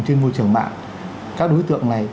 trên môi trường mạng các đối tượng này